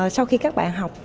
sau khi các bạn sinh viên